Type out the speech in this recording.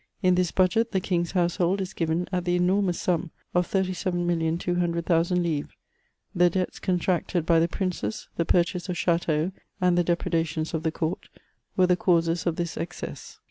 In this budget the king's household is given at the enormous sum of 37,200,000 livres ; the debts contracted by the princes, the purchase of chateaux^ and the depredations of the court, were the causes of this excess.